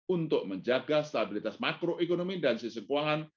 untuk menjaga stabilitas makroekonomi dan sistem keuangan